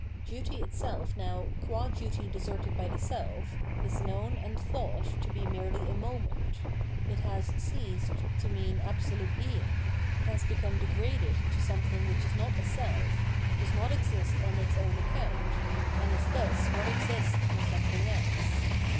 Duty itself now, qua duty deserted by the self, is known and thought to be merely a moment ; it has ceased to mean, absolute being, it has become de graded to something which is not a self, does not exist on its own account, and is thus what exists for some thing else.